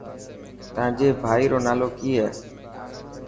تانجي ڀائي رو نالو ڪي هي.